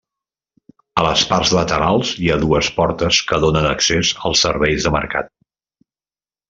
A les parts laterals hi ha dues portes que donen accés als serveis de mercat.